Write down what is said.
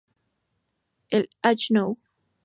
El Hno.